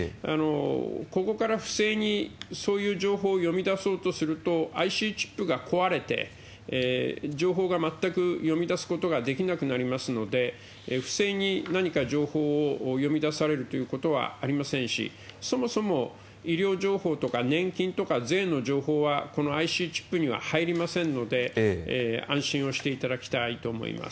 ここから不正にそういう情報を読み出そうとすると、ＩＣチップが壊れて、情報が全く読み出すことができなくなりますので、不正に何か情報を読み出されるということはありませんし、そもそも医療情報とか年金とか税の情報は、このＩＣチップには入りませんので、安心をしていただきたいと思います。